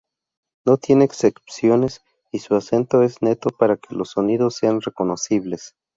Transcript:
No tiene excepciones y su acento es neto para que los sonidos sean reconocibles.